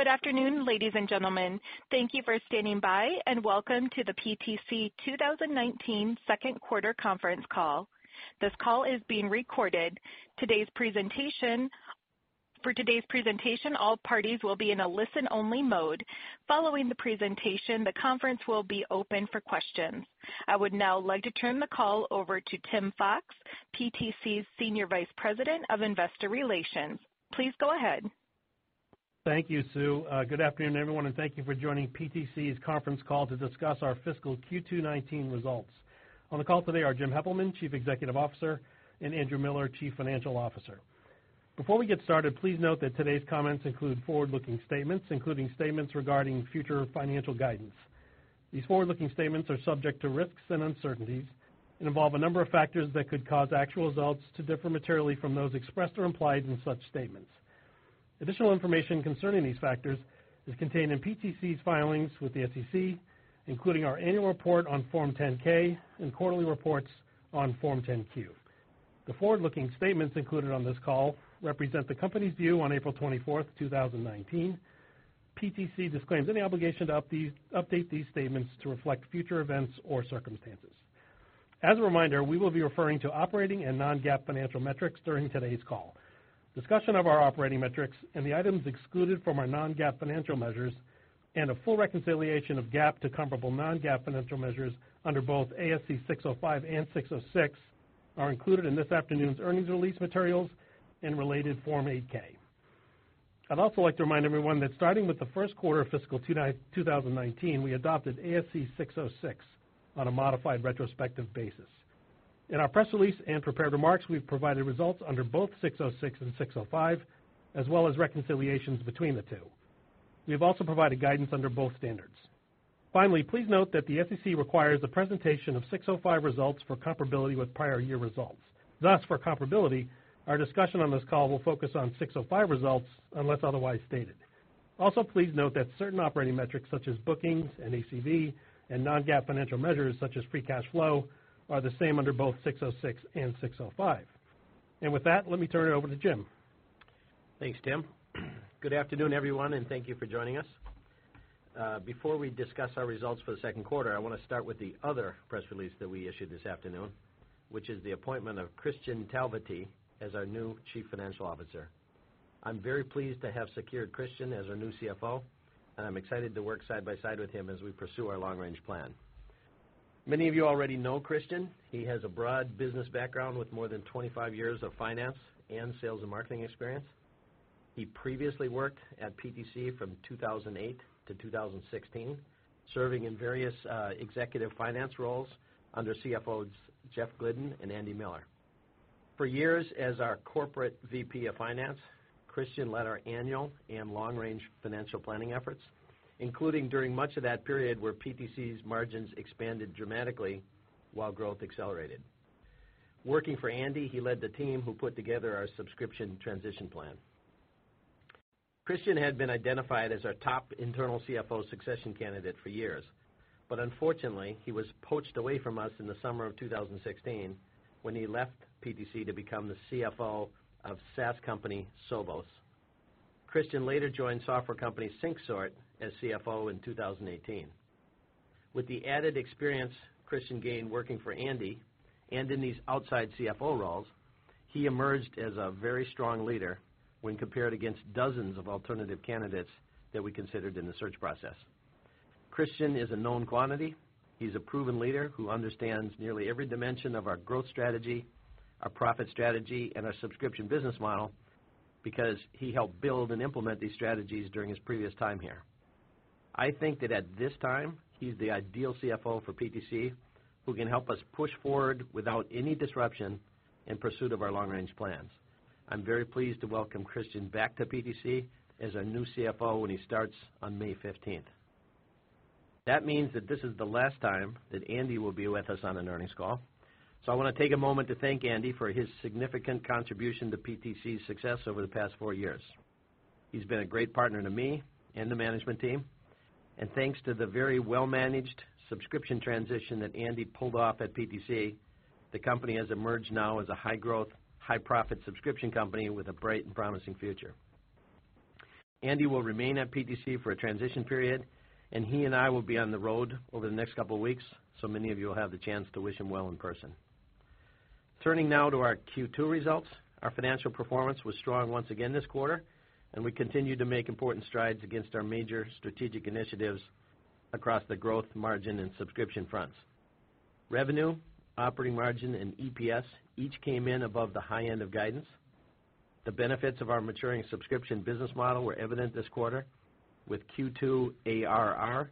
Good afternoon, ladies and gentlemen. Thank you for standing by, and welcome to the PTC 2019 second quarter conference call. This call is being recorded. For today's presentation, all parties will be in a listen-only mode. Following the presentation, the conference will be open for questions. I would now like to turn the call over to Tim Fox, PTC's Senior Vice President of Investor Relations. Please go ahead. Thank you, Sue. Good afternoon, everyone, and thank you for joining PTC's conference call to discuss our fiscal Q2 2019 results. On the call today are Jim Heppelmann, Chief Executive Officer, and Andrew Miller, Chief Financial Officer. Before we get started, please note that today's comments include forward-looking statements, including statements regarding future financial guidance. These forward-looking statements are subject to risks and uncertainties and involve a number of factors that could cause actual results to differ materially from those expressed or implied in such statements. Additional information concerning these factors is contained in PTC's filings with the SEC, including our annual report on Form 10-K and quarterly reports on Form 10-Q. The forward-looking statements included on this call represent the company's view on April 24th, 2019. PTC disclaims any obligation to update these statements to reflect future events or circumstances. As a reminder, we will be referring to operating and non-GAAP financial metrics during today's call. Discussion of our operating metrics and the items excluded from our non-GAAP financial measures, and a full reconciliation of GAAP to comparable non-GAAP financial measures under both ASC 605 and 606 are included in this afternoon's earnings release materials and related Form 8-K. I'd also like to remind everyone that starting with the first quarter of fiscal 2019, we adopted ASC 606 on a modified retrospective basis. In our press release and prepared remarks, we've provided results under both 606 and 605, as well as reconciliations between the two. We have also provided guidance under both standards. Please note that the SEC requires the presentation of 605 results for comparability with prior year results. For comparability, our discussion on this call will focus on 605 results unless otherwise stated. Please note that certain operating metrics such as bookings and ACV and non-GAAP financial measures such as free cash flow, are the same under both 606 and 605. With that, let me turn it over to Jim. Thanks, Tim. Good afternoon, everyone, and thank you for joining us. Before we discuss our results for the second quarter, I want to start with the other press release that we issued this afternoon, which is the appointment of Kristian Talvitie as our new Chief Financial Officer. I'm very pleased to have secured Kristian as our new CFO, and I'm excited to work side by side with him as we pursue our long-range plan. Many of you already know Kristian. He has a broad business background with more than 25 years of finance and sales and marketing experience. He previously worked at PTC from 2008 to 2016, serving in various executive finance roles under CFOs Jeff Glidden and Andy Miller. For years as our corporate VP of finance, Kristian led our annual and long-range financial planning efforts, including during much of that period where PTC's margins expanded dramatically while growth accelerated. Working for Andy, he led the team who put together our subscription transition plan. Kristian had been identified as our top internal CFO succession candidate for years, but unfortunately, he was poached away from us in the summer of 2016 when he left PTC to become the CFO of SaaS company Sovos. Kristian later joined software company Syncsort as CFO in 2018. With the added experience Kristian gained working for Andy and in these outside CFO roles, he emerged as a very strong leader when compared against dozens of alternative candidates that we considered in the search process. Kristian is a known quantity. He's a proven leader who understands nearly every dimension of our growth strategy, our profit strategy, and our subscription business model because he helped build and implement these strategies during his previous time here. I think that at this time, he's the ideal CFO for PTC who can help us push forward without any disruption in pursuit of our long-range plans. I'm very pleased to welcome Kristian back to PTC as our new CFO when he starts on May 15th. That means that this is the last time that Andy will be with us on an earnings call. I want to take a moment to thank Andy for his significant contribution to PTC's success over the past four years. He's been a great partner to me and the management team. Thanks to the very well-managed subscription transition that Andy pulled off at PTC, the company has emerged now as a high-growth, high-profit subscription company with a bright and promising future. Andy will remain at PTC for a transition period. He and I will be on the road over the next couple of weeks, many of you will have the chance to wish him well in person. Turning now to our Q2 results. Our financial performance was strong once again this quarter. We continued to make important strides against our major strategic initiatives across the growth, margin, and subscription fronts. Revenue, operating margin, and EPS each came in above the high end of guidance. The benefits of our maturing subscription business model were evident this quarter, with Q2 ARR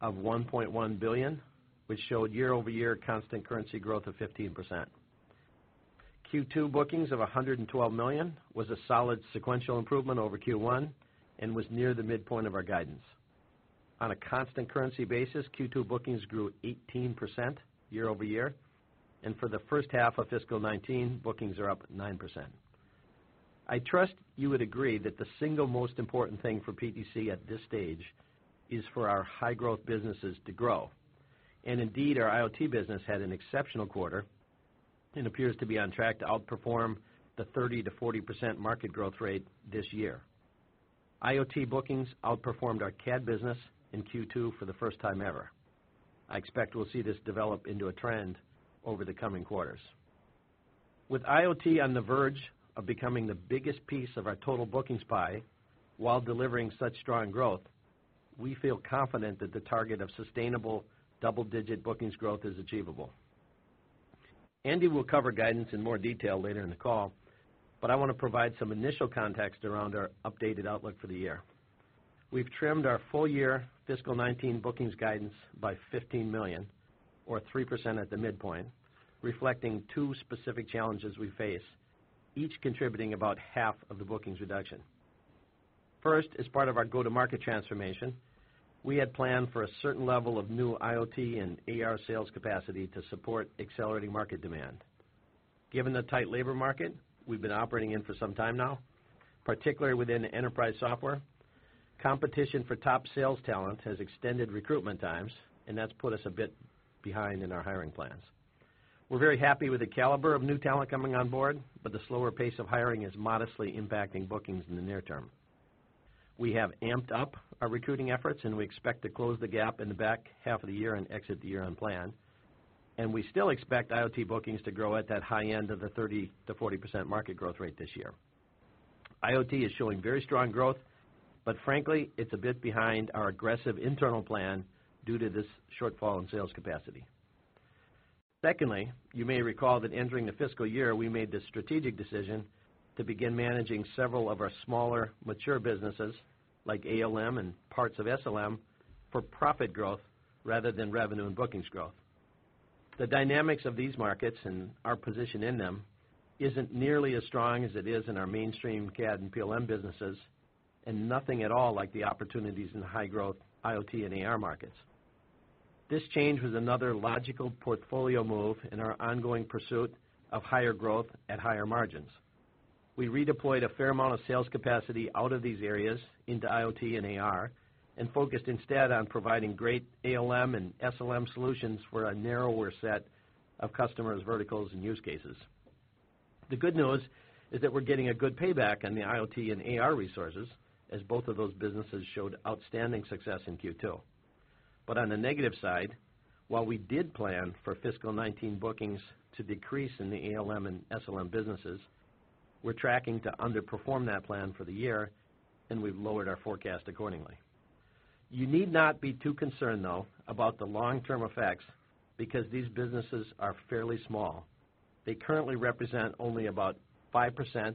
of $1.1 billion, which showed year-over-year constant currency growth of 15%. Q2 bookings of $112 million was a solid sequential improvement over Q1 and was near the midpoint of our guidance. On a constant currency basis, Q2 bookings grew 18% year-over-year, and for the first half of fiscal 2019, bookings are up 9%. I trust you would agree that the single most important thing for PTC at this stage is for our high-growth businesses to grow. Indeed, our IoT business had an exceptional quarter and appears to be on track to outperform the 30%-40% market growth rate this year. IoT bookings outperformed our CAD business in Q2 for the first time ever. I expect we'll see this develop into a trend over the coming quarters. With IoT on the verge of becoming the biggest piece of our total bookings pie while delivering such strong growth, we feel confident that the target of sustainable double-digit bookings growth is achievable. Andy will cover guidance in more detail later in the call, but I want to provide some initial context around our updated outlook for the year. We've trimmed our full year fiscal 2019 bookings guidance by $15 million or 3% at the midpoint, reflecting two specific challenges we face, each contributing about half of the bookings reduction. First, as part of our go-to-market transformation, we had planned for a certain level of new IoT and AR sales capacity to support accelerating market demand. Given the tight labor market we've been operating in for some time now, particularly within enterprise software, competition for top sales talent has extended recruitment times, that's put us a bit behind in our hiring plans. We're very happy with the caliber of new talent coming on board, but the slower pace of hiring is modestly impacting bookings in the near term. We have amped up our recruiting efforts, we expect to close the gap in the back half of the year and exit the year on plan, we still expect IoT bookings to grow at that high end of the 30%-40% market growth rate this year. IoT is showing very strong growth, frankly, it's a bit behind our aggressive internal plan due to this shortfall in sales capacity. Secondly, you may recall that entering the fiscal year, we made the strategic decision to begin managing several of our smaller mature businesses like ALM and parts of SLM, for profit growth rather than revenue and bookings growth. The dynamics of these markets and our position in them isn't nearly as strong as it is in our mainstream CAD and PLM businesses, nothing at all like the opportunities in the high-growth IoT and AR markets. This change was another logical portfolio move in our ongoing pursuit of higher growth at higher margins. We redeployed a fair amount of sales capacity out of these areas into IoT and AR focused instead on providing great ALM and SLM solutions for a narrower set of customers, verticals, and use cases. The good news is that we're getting a good payback on the IoT and AR resources as both of those businesses showed outstanding success in Q2. On the negative side, while we did plan for fiscal 2019 bookings to decrease in the ALM and SLM businesses, we're tracking to underperform that plan for the year, and we've lowered our forecast accordingly. You need not be too concerned, though, about the long-term effects because these businesses are fairly small. They currently represent only about 5%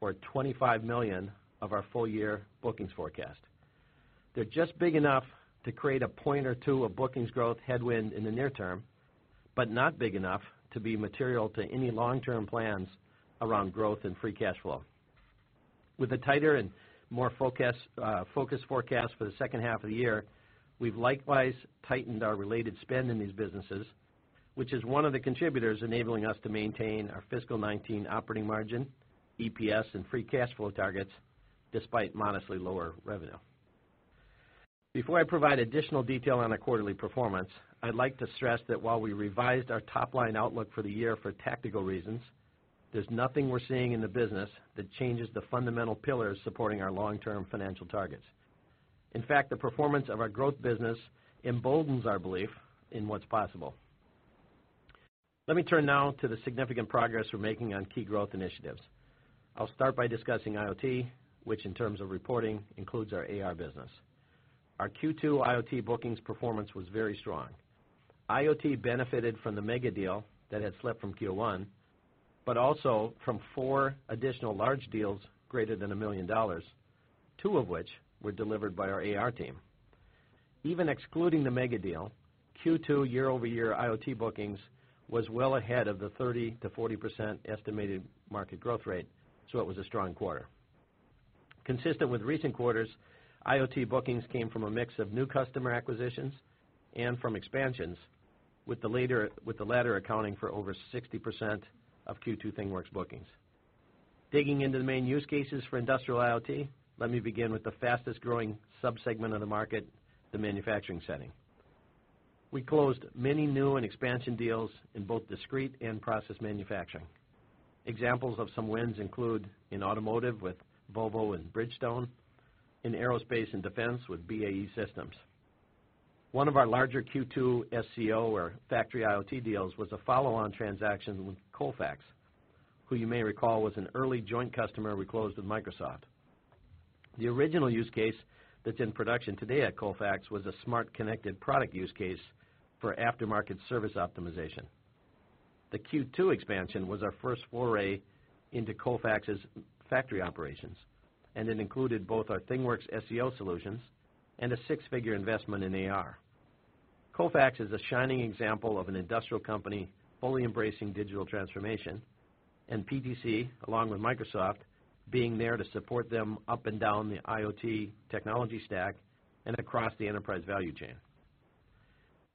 or $25 million of our full-year bookings forecast. They're just big enough to create one or two points of bookings growth headwind in the near term, but not big enough to be material to any long-term plans around growth and free cash flow. With a tighter and more focused forecast for the second half of the year, we've likewise tightened our related spend in these businesses, which is one of the contributors enabling us to maintain our fiscal 2019 operating margin, EPS, and free cash flow targets despite modestly lower revenue. Before I provide additional detail on our quarterly performance, I'd like to stress that while we revised our top-line outlook for the year for tactical reasons, there's nothing we're seeing in the business that changes the fundamental pillars supporting our long-term financial targets. In fact, the performance of our growth business emboldens our belief in what's possible. Let me turn now to the significant progress we're making on key growth initiatives. I'll start by discussing IoT, which in terms of reporting includes our AR business. Our Q2 IoT bookings performance was very strong. IoT benefited from the mega deal that had slipped from Q1, also from four additional large deals greater than $1 million, two of which were delivered by our AR team. Even excluding the mega deal, Q2 year-over-year IoT bookings was well ahead of the 30%-40% estimated market growth rate. It was a strong quarter. Consistent with recent quarters, IoT bookings came from a mix of new customer acquisitions and from expansions with the latter accounting for over 60% of Q2 ThingWorx bookings. Digging into the main use cases for industrial IoT, let me begin with the fastest-growing subsegment of the market, the manufacturing setting. We closed many new and expansion deals in both discrete and process manufacturing. Examples of some wins include in automotive with Volvo and Bridgestone, in aerospace and defense with BAE Systems. One of our larger Q2 SCO or factory IoT deals was a follow-on transaction with Kofax, who you may recall was an early joint customer we closed with Microsoft. The original use case that's in production today at Kofax was a smart connected product use case for aftermarket service optimization. The Q2 expansion was our first foray into Kofax's factory operations, and it included both our ThingWorx SCO solutions and a six-figure investment in AR. Kofax is a shining example of an industrial company fully embracing digital transformation, and PTC, along with Microsoft, being there to support them up and down the IoT technology stack and across the enterprise value chain.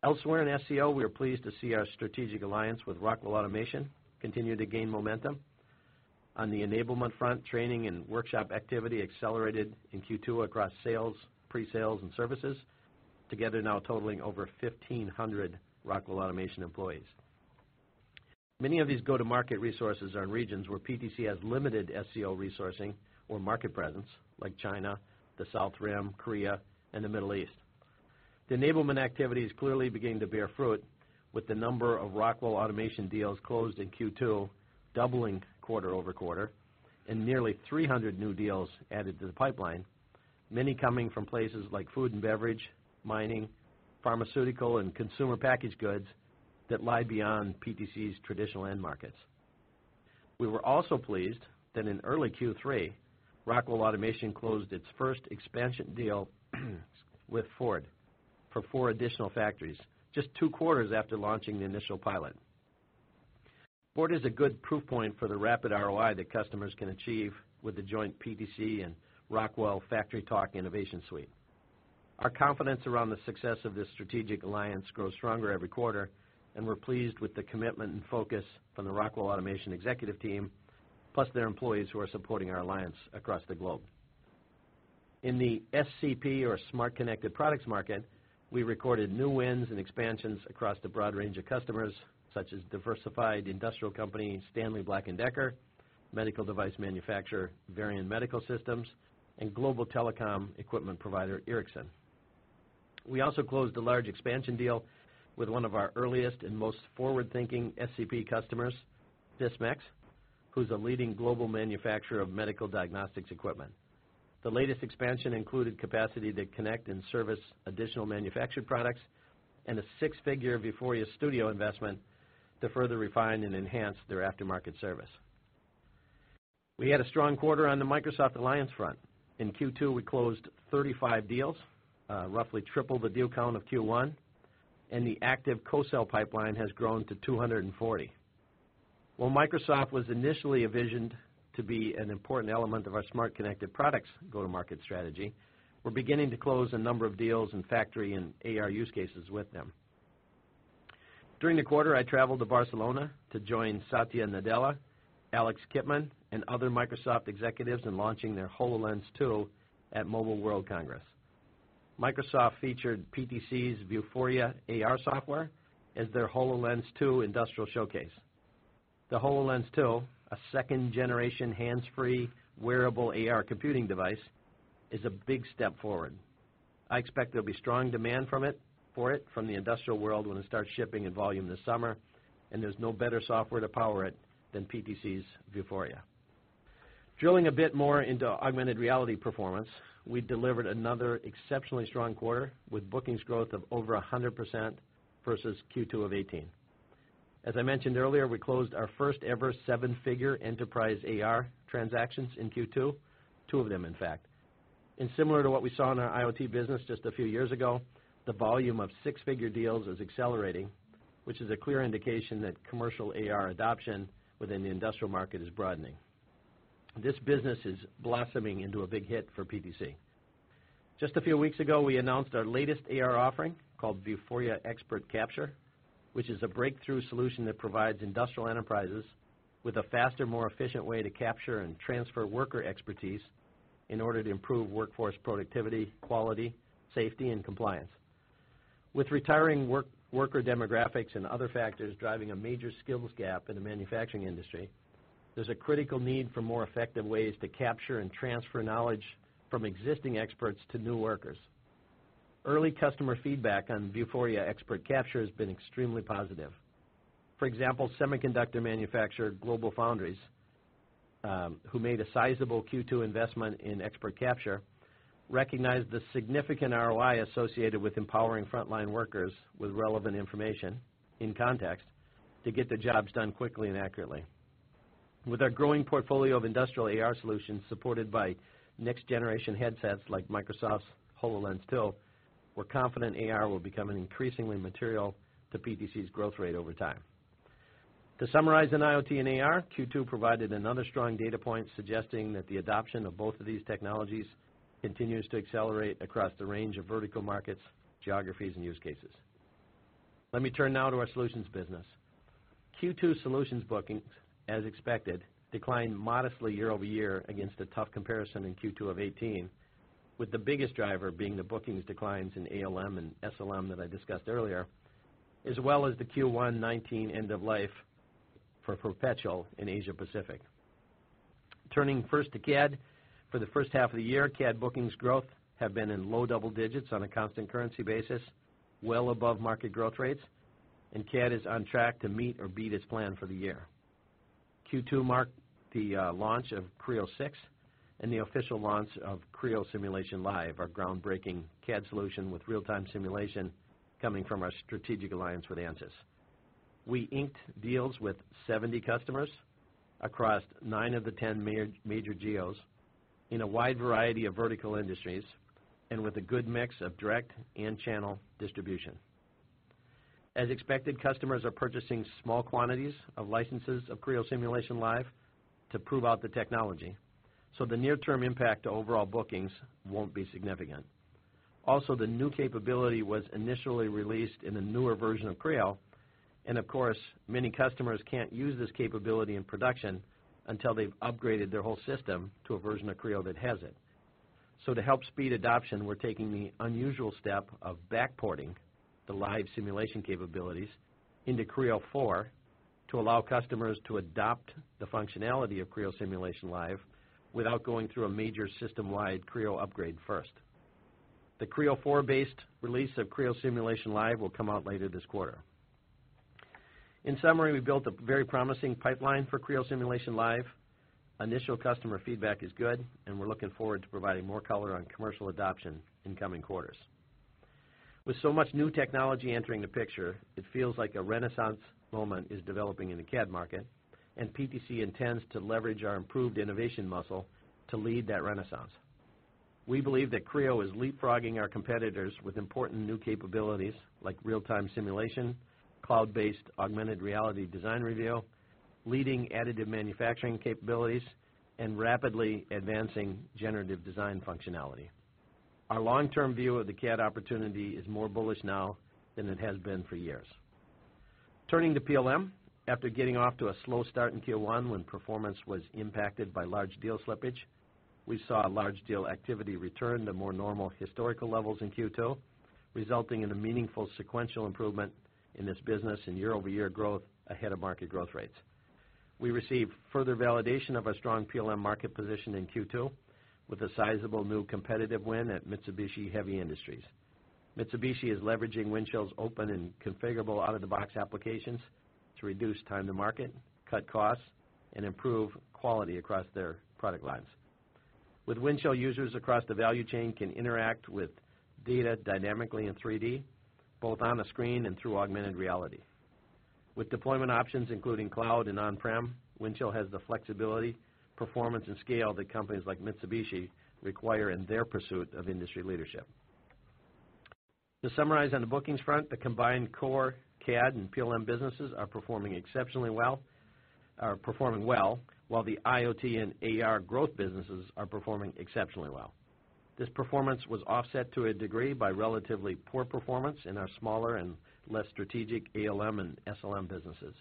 Elsewhere in SCO, we are pleased to see our strategic alliance with Rockwell Automation continue to gain momentum. On the enablement front, training and workshop activity accelerated in Q2 across sales, pre-sales, and services, together now totaling over 1,500 Rockwell Automation employees. Many of these go-to-market resources are in regions where PTC has limited SCO resourcing or market presence, like China, the [South Rim], Korea, and the Middle East. The enablement activity is clearly beginning to bear fruit, with the number of Rockwell Automation deals closed in Q2 doubling quarter-over-quarter and nearly 300 new deals added to the pipeline, many coming from places like food and beverage, mining, pharmaceutical, and consumer packaged goods that lie beyond PTC's traditional end markets. We were also pleased that in early Q3, Rockwell Automation closed its first expansion deal with Ford for four additional factories, just two quarters after launching the initial pilot. Ford is a good proof point for the rapid ROI that customers can achieve with the joint PTC and Rockwell FactoryTalk Innovation Suite. Our confidence around the success of this strategic alliance grows stronger every quarter, and we're pleased with the commitment and focus from the Rockwell Automation executive team, plus their employees who are supporting our alliance across the globe. In the SCP or Smart Connected Products market, we recorded new wins and expansions across the broad range of customers, such as diversified industrial company Stanley Black & Decker, medical device manufacturer Varian Medical Systems, and global telecom equipment provider Ericsson. We also closed a large expansion deal with one of our earliest and most forward-thinking SCP customers, Sysmex, who's a leading global manufacturer of medical diagnostics equipment. The latest expansion included capacity to connect and service additional manufactured products and a six-figure Vuforia Studio investment to further refine and enhance their aftermarket service. We had a strong quarter on the Microsoft alliance front. In Q2, we closed 35 deals, roughly triple the deal count of Q1, and the active co-sell pipeline has grown to 240. While Microsoft was initially envisioned to be an important element of our Smart Connected Products go-to-market strategy, we're beginning to close a number of deals in factory and AR use cases with them. During the quarter, I traveled to Barcelona to join Satya Nadella, Alex Kipman, and other Microsoft executives in launching their HoloLens 2 at Mobile World Congress. Microsoft featured PTC's Vuforia AR software as their HoloLens 2 industrial showcase. The HoloLens 2, a second-generation, hands-free, wearable AR computing device, is a big step forward. I expect there'll be strong demand for it from the industrial world when it starts shipping in volume this summer, and there's no better software to power it than PTC's Vuforia. Drilling a bit more into augmented reality performance, we delivered another exceptionally strong quarter with bookings growth of over 100% versus Q2 of 2018. As I mentioned earlier, we closed our first-ever seven-figure enterprise AR transactions in Q2, two of them, in fact. And similar to what we saw in our IoT business just a few years ago, the volume of six-figure deals is accelerating, which is a clear indication that commercial AR adoption within the industrial market is broadening. This business is blossoming into a big hit for PTC. Just a few weeks ago, we announced our latest AR offering called Vuforia Expert Capture, which is a breakthrough solution that provides industrial enterprises with a faster, more efficient way to capture and transfer worker expertise in order to improve workforce productivity, quality, safety, and compliance. With retiring worker demographics and other factors driving a major skills gap in the manufacturing industry, there is a critical need for more effective ways to capture and transfer knowledge from existing experts to new workers. Early customer feedback on Vuforia Expert Capture has been extremely positive. For example, semiconductor manufacturer GlobalFoundries, who made a sizable Q2 investment in Expert Capture, recognized the significant ROI associated with empowering frontline workers with relevant information in context to get the jobs done quickly and accurately. With our growing portfolio of industrial AR solutions supported by next-generation headsets like Microsoft's HoloLens 2, we are confident AR will become increasingly material to PTC's growth rate over time. To summarize in IoT and AR, Q2 provided another strong data point suggesting that the adoption of both of these technologies continues to accelerate across the range of vertical markets, geographies, and use cases. Let me turn now to our solutions business. Q2 solutions bookings, as expected, declined modestly year-over-year against a tough comparison in Q2 of 2018, with the biggest driver being the bookings declines in ALM and SLM that I discussed earlier, as well as the Q1 2019 end of life for Perpetual in Asia Pacific. Turning first to CAD. For the first half of the year, CAD bookings growth have been in low double digits on a constant currency basis, well above market growth rates, and CAD is on track to meet or beat its plan for the year. Q2 marked the launch of Creo 6 and the official launch of Creo Simulation Live, our groundbreaking CAD solution with real-time simulation coming from our strategic alliance with Ansys. We inked deals with 70 customers across nine of the ten major geos in a wide variety of vertical industries and with a good mix of direct and channel distribution. As expected, customers are purchasing small quantities of licenses of Creo Simulation Live to prove out the technology, so the near-term impact to overall bookings won't be significant. Also, the new capability was initially released in a newer version of Creo. Of course, many customers can't use this capability in production until they have upgraded their whole system to a version of Creo that has it. To help speed adoption, we are taking the unusual step of backporting the live simulation capabilities into Creo 4.0 to allow customers to adopt the functionality of Creo Simulation Live without going through a major system-wide Creo upgrade first. The Creo 4.0-based release of Creo Simulation Live will come out later this quarter. In summary, we built a very promising pipeline for Creo Simulation Live. Initial customer feedback is good, and we are looking forward to providing more color on commercial adoption in coming quarters. With so much new technology entering the picture, it feels like a renaissance moment is developing in the CAD market, and PTC intends to leverage our improved innovation muscle to lead that renaissance. We believe that Creo is leapfrogging our competitors with important new capabilities like real-time simulation, cloud-based augmented reality design review, leading additive manufacturing capabilities, and rapidly advancing generative design functionality. Our long-term view of the CAD opportunity is more bullish now than it has been for years. Turning to PLM, after getting off to a slow start in Q1 when performance was impacted by large deal slippage, we saw large deal activity return to more normal historical levels in Q2, resulting in a meaningful sequential improvement in this business and year-over-year growth ahead of market growth rates. We received further validation of our strong PLM market position in Q2 with a sizable new competitive win at Mitsubishi Heavy Industries. Mitsubishi is leveraging Windchill's open and configurable out-of-the-box applications to reduce time to market, cut costs, and improve quality across their product lines. With Windchill, users across the value chain can interact with data dynamically in 3D, both on the screen and through augmented reality. With deployment options including cloud and on-prem, Windchill has the flexibility, performance, and scale that companies like Mitsubishi require in their pursuit of industry leadership. To summarize on the bookings front, the combined core CAD and PLM businesses are performing well, while the IoT and AR growth businesses are performing exceptionally well. This performance was offset to a degree by relatively poor performance in our smaller and less strategic ALM and SLM businesses.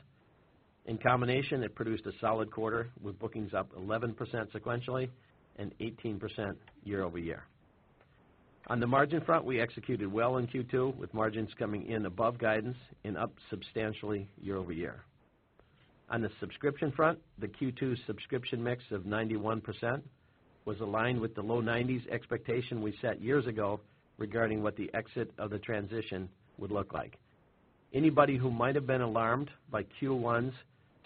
In combination, it produced a solid quarter, with bookings up 11% sequentially and 18% year-over-year. On the margin front, we executed well in Q2, with margins coming in above guidance and up substantially year-over-year. On the subscription front, the Q2 subscription mix of 91% was aligned with the low 90s expectation we set years ago regarding what the exit of the transition would look like. Anybody who might have been alarmed by Q1's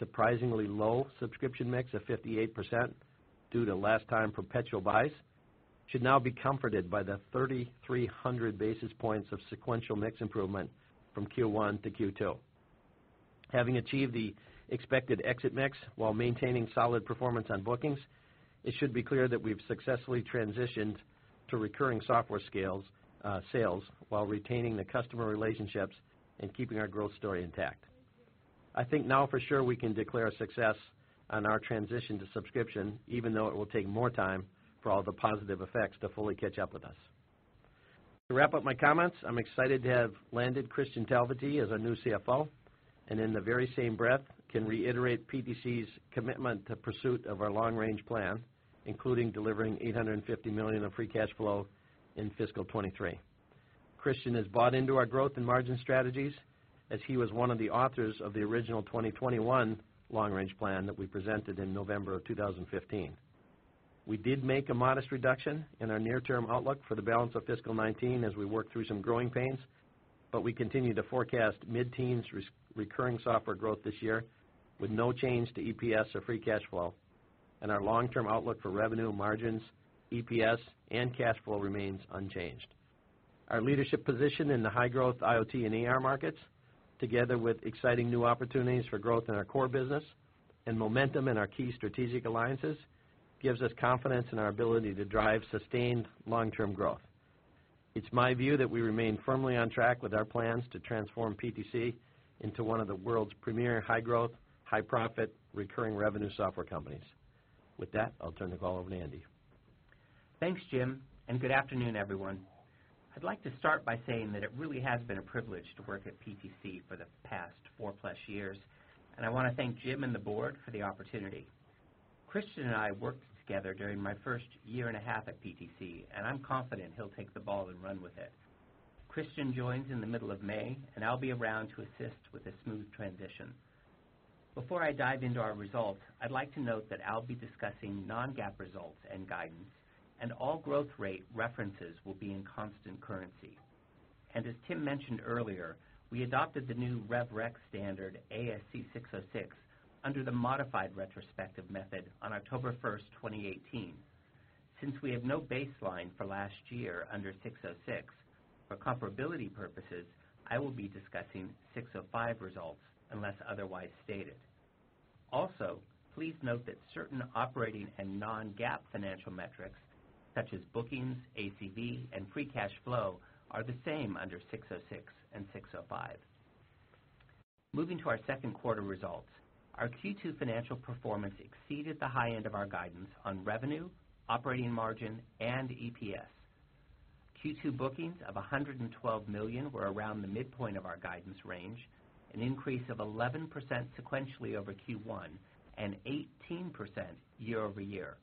surprisingly low subscription mix of 58% due to last-time perpetual buys should now be comforted by the 3,300 basis points of sequential mix improvement from Q1 to Q2. Having achieved the expected exit mix while maintaining solid performance on bookings, it should be clear that we've successfully transitioned to recurring software sales while retaining the customer relationships and keeping our growth story intact. I think now for sure we can declare success on our transition to subscription, even though it will take more time for all the positive effects to fully catch up with us. To wrap up my comments, I'm excited to have landed Kristian Talvitie as our new CFO, in the very same breath can reiterate PTC's commitment to pursuit of our long-range plan, including delivering $850 million of free cash flow in fiscal 2023. Kristian has bought into our growth and margin strategies as he was one of the authors of the original 2021 long-range plan that we presented in November of 2015. We did make a modest reduction in our near-term outlook for the balance of fiscal 2019 as we worked through some growing pains, we continue to forecast mid-teens recurring software growth this year with no change to EPS or free cash flow. Our long-term outlook for revenue margins, EPS, and cash flow remains unchanged. Our leadership position in the high-growth IoT and AR markets, together with exciting new opportunities for growth in our core business and momentum in our key strategic alliances, gives us confidence in our ability to drive sustained long-term growth. It's my view that we remain firmly on track with our plans to transform PTC into one of the world's premier high-growth, high-profit recurring revenue software companies. With that, I'll turn the call over to Andy. Thanks, Jim, and good afternoon, everyone. I'd like to start by saying that it really has been a privilege to work at PTC for the past four-plus years, and I want to thank Jim and the board for the opportunity. Christian and I worked together during my first year and a half at PTC, and I'm confident he'll take the ball and run with it. Christian joins in the middle of May, and I'll be around to assist with a smooth transition. Before I dive into our results, I'd like to note that I'll be discussing non-GAAP results and guidance, and all growth rate references will be in constant currency. As Tim mentioned earlier, we adopted the new Rev Rec standard ASC 606 under the modified retrospective method on October 1st, 2018. Since we have no baseline for last year under 606, for comparability purposes, I will be discussing 605 results unless otherwise stated. Please note that certain operating and non-GAAP financial metrics, such as bookings, ACV, and free cash flow, are the same under 606 and 605. Moving to our second quarter results, our Q2 financial performance exceeded the high end of our guidance on revenue, operating margin, and EPS. Q2 bookings of $112 million were around the midpoint of our guidance range, an increase of 11% sequentially over Q1, and 18% year-over-year.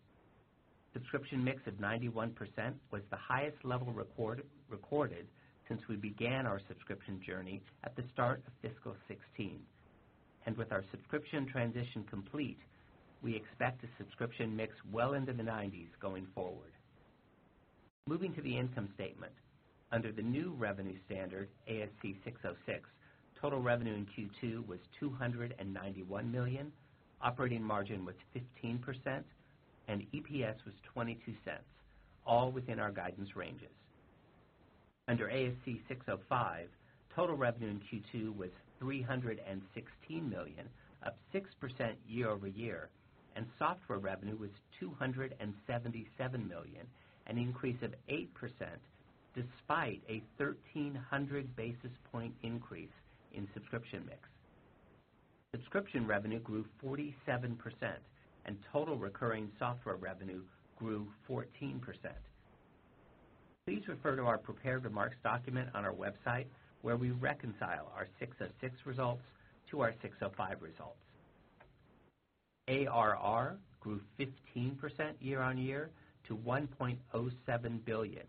Subscription mix of 91% was the highest level recorded since we began our subscription journey at the start of fiscal 2016. With our subscription transition complete, we expect a subscription mix well into the 90s going forward. Moving to the income statement, under the new revenue standard, ASC 606, total revenue in Q2 was $291 million, operating margin was 15%, and EPS was $0.22, all within our guidance ranges. Under ASC 605, total revenue in Q2 was $316 million, up 6% year-over-year, and software revenue was $277 million, an increase of 8%, despite a 1,300 basis point increase in subscription mix. Subscription revenue grew 47%. Total recurring software revenue grew 14%. Please refer to our prepared remarks document on our website, where we reconcile our 606 results to our 605 results. ARR grew 15% year-on-year to $1.07 billion.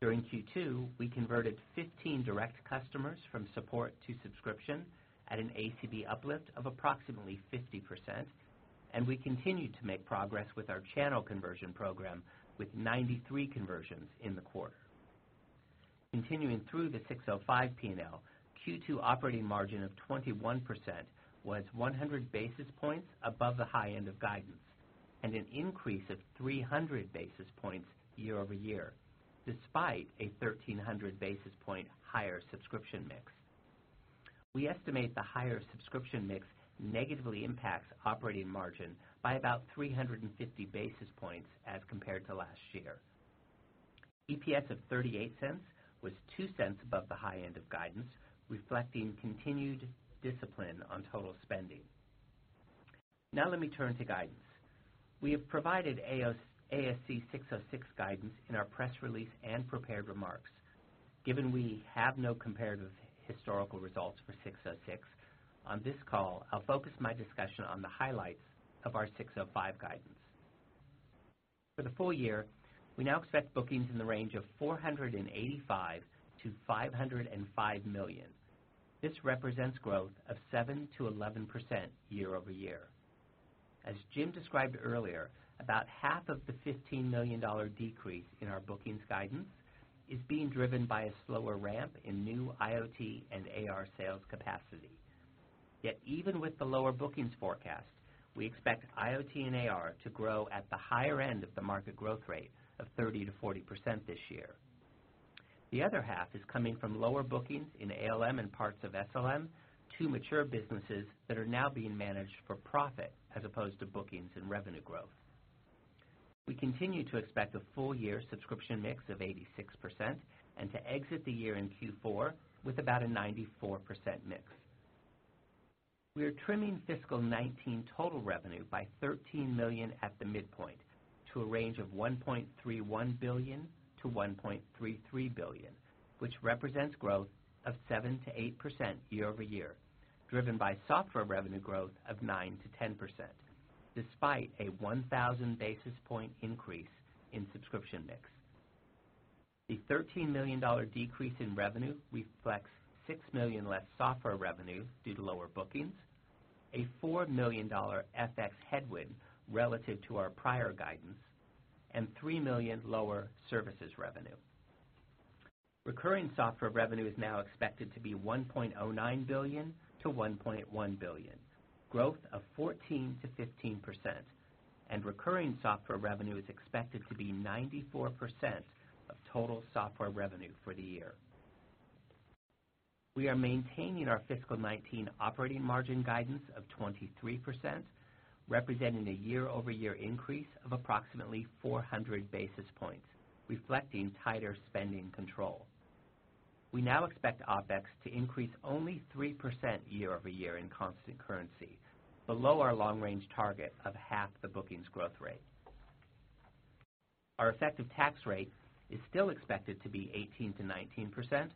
During Q2, we converted 15 direct customers from support to subscription at an ACV uplift of approximately 50%, and we continued to make progress with our channel conversion program with 93 conversions in the quarter. Continuing through the 605 P&L, Q2 operating margin of 21% was 100 basis points above the high end of guidance, an increase of 300 basis points year-over-year, despite a 1,300 basis point higher subscription mix. We estimate the higher subscription mix negatively impacts operating margin by about 350 basis points as compared to last year. EPS of $0.38 was $0.02 above the high end of guidance, reflecting continued discipline on total spending. Let me turn to guidance. We have provided ASC 606 guidance in our press release and prepared remarks. Given we have no comparative historical results for 606, on this call, I'll focus my discussion on the highlights of our 605 guidance. For the full year, we now expect bookings in the range of $485 million-$505 million. This represents growth of 7%-11% year-over-year. As Jim described earlier, about half of the $15 million decrease in our bookings guidance is being driven by a slower ramp in new IoT and AR sales capacity. Yet even with the lower bookings forecast, we expect IoT and AR to grow at the higher end of the market growth rate of 30%-40% this year. The other half is coming from lower bookings in ALM and parts of SLM to mature businesses that are now being managed for profit as opposed to bookings and revenue growth. We continue to expect a full-year subscription mix of 86% and to exit the year in Q4 with about a 94% mix. We are trimming fiscal 2019 total revenue by $13 million at the midpoint to a range of $1.31 billion-$1.33 billion, which represents growth of 7%-8% year-over-year, driven by software revenue growth of 9%-10%, despite a 1,000 basis point increase in subscription mix. The $13 million decrease in revenue reflects $6 million less software revenue due to lower bookings, a $4 million FX headwind relative to our prior guidance, and $3 million lower services revenue. Recurring software revenue is now expected to be $1.09 billion-$1.1 billion, growth of 14%-15%, and recurring software revenue is expected to be 94% of total software revenue for the year. We are maintaining our fiscal 2019 operating margin guidance of 23%, representing a year-over-year increase of approximately 400 basis points, reflecting tighter spending control. We expect OpEx to increase only 3% year-over-year in constant currency, below our long-range target of half the bookings growth rate. Our effective tax rate is still expected to be 18%-19%,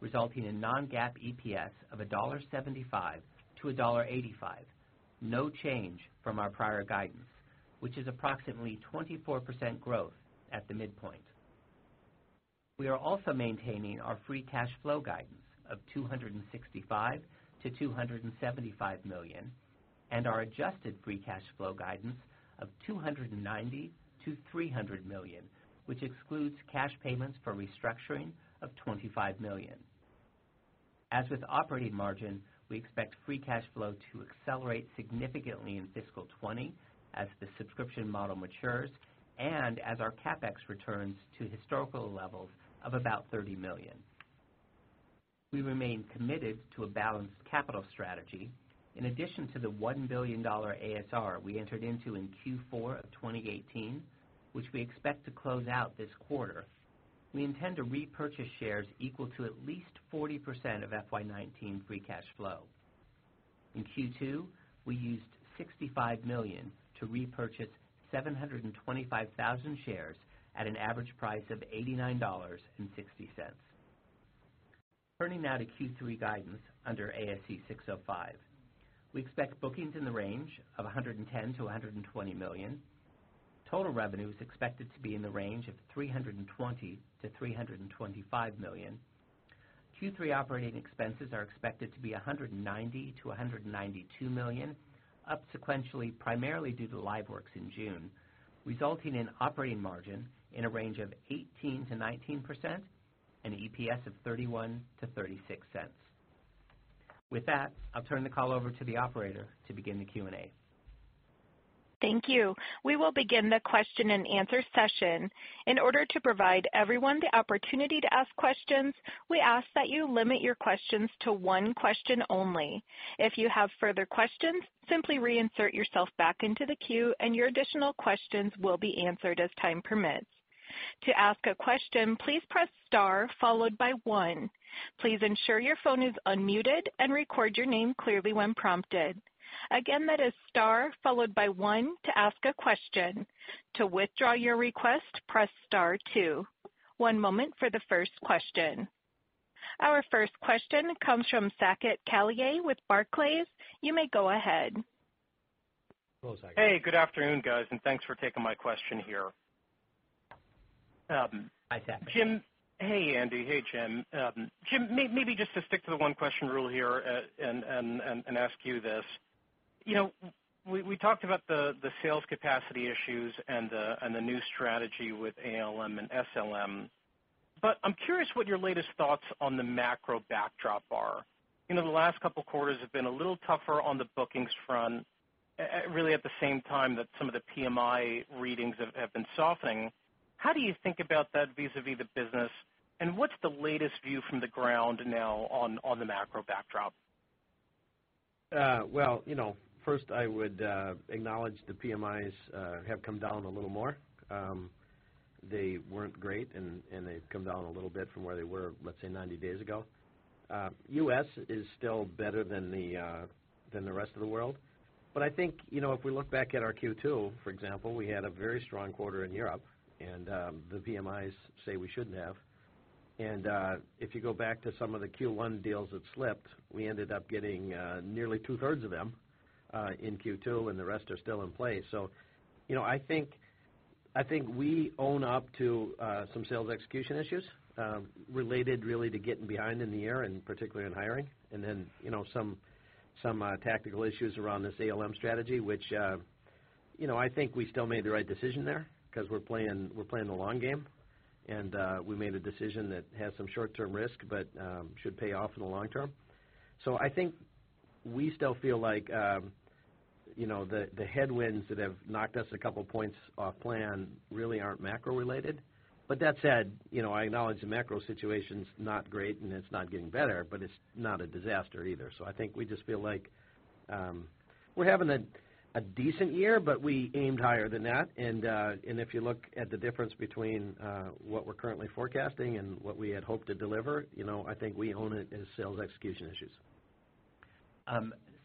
resulting in non-GAAP EPS of $1.75-$1.85, no change from our prior guidance, which is approximately 24% growth at the midpoint. We are also maintaining our free cash flow guidance of $265 million-$275 million and our adjusted free cash flow guidance of $290 million-$300 million, which excludes cash payments for restructuring of $25 million. As with operating margin, we expect free cash flow to accelerate significantly in fiscal 2020 as the subscription model matures and as our CapEx returns to historical levels of about $30 million. We remain committed to a balanced capital strategy. In addition to the $1 billion ASR we entered into in Q4 of 2018, which we expect to close out this quarter. We intend to repurchase shares equal to at least 40% of FY 2019 free cash flow. In Q2, we used $65 million to repurchase 725,000 shares at an average price of $89.60. Turning now to Q3 guidance under ASC 605. We expect bookings in the range of $110 million-$120 million. Total revenue is expected to be in the range of $320 million-$325 million. Q3 operating expenses are expected to be $190 million-$192 million, up sequentially primarily due to LiveWorx in June, resulting in operating margin in a range of 18%-19% and EPS of $0.31-$0.36. With that, I'll turn the call over to the operator to begin the Q&A. Thank you. We will begin the question and answer session. In order to provide everyone the opportunity to ask questions, we ask that you limit your questions to one question only. If you have further questions, simply reinsert yourself back into the queue and your additional questions will be answered as time permits. To ask a question, please press star followed by one. Please ensure your phone is unmuted and record your name clearly when prompted. Again, that is star followed by one to ask a question. To withdraw your request, press star two. One moment for the first question. Our first question comes from Saket Kalia with Barclays. You may go ahead. Hello, Saket. Hey, good afternoon, guys, thanks for taking my question here. Hi, Saket. Hey, Andy. Hey, Jim. Jim, maybe just to stick to the one-question rule here and ask you this. We talked about the sales capacity issues and the new strategy with ALM and SLM, I'm curious what your latest thoughts on the macro backdrop are. The last couple of quarters have been a little tougher on the bookings front, really at the same time that some of the PMI readings have been softening. How do you think about that vis-à-vis the business, and what's the latest view from the ground now on the macro backdrop? Well, first I would acknowledge the PMIs have come down a little more. They weren't great, and they've come down a little bit from where they were, let's say, 90 days ago. U.S. is still better than the rest of the world. I think, if we look back at our Q2, for example, we had a very strong quarter in Europe, and the PMIs say we shouldn't have. If you go back to some of the Q1 deals that slipped, we ended up getting nearly two-thirds of them in Q2, and the rest are still in play. I think we own up to some sales execution issues, related really to getting behind in the year and particularly in hiring, and then some tactical issues around this ALM strategy, which I think we still made the right decision there because we're playing the long game, and we made a decision that has some short-term risk but should pay off in the long term. I think we still feel like the headwinds that have knocked us a couple of points off plan really aren't macro-related. That said, I acknowledge the macro situation's not great, and it's not getting better, but it's not a disaster either. I think we just feel like we're having a decent year, we aimed higher than that, if you look at the difference between what we're currently forecasting and what we had hoped to deliver, I think we own it as sales execution issues.